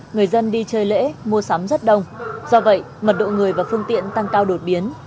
người dân đi chơi lễ mua sắm rất đông do vậy mật độ người và phương tiện tăng cao đột biến